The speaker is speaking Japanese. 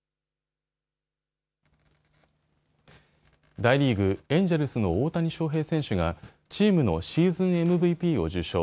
大リーグ、エンジェルスの大谷翔平選手がチームのシーズンＭＶＰを受賞。